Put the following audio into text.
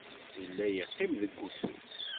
Yella yeqqim ɣef usu.